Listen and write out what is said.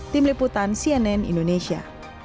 tim liputan cnn indonesia